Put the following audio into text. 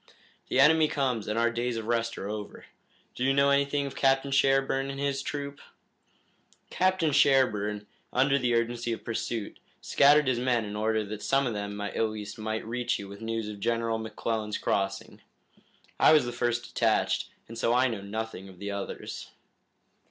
The enemy comes and our days of rest are over. Do you know anything of Captain Sherburne and his troop?" "Captain Sherburne, under the urgency of pursuit, scattered his men in order that some of them at least might reach you with the news of General McClellan's crossing. I was the first detached, and so I know nothing of the others."